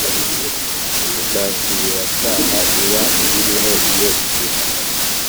Nta subiracyaha iba iriho iyo igihano